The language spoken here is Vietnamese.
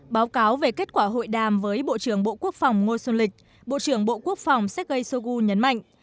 báo cáo về kết quả hội đàm với bộ trưởng bộ quốc phòng ngô xuân lịch bộ trưởng bộ quốc phòng sergei shoigu nhấn mạnh